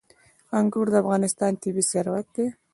انګور د افغانستان طبعي ثروت دی.